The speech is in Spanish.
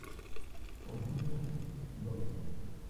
Consulte un urólogo.